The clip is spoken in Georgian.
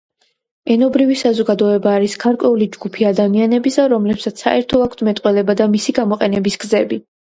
ენობრივი საზოგადოება არის გარკვეული ჯგუფი ადამიანებისა, რომლებსაც საერთო აქვთ მეტყველება და მისი გამოყენების გზები.